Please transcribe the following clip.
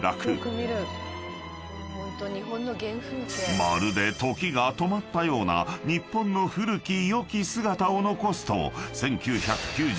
［まるで時が止まったような日本の古きよき姿を残すと］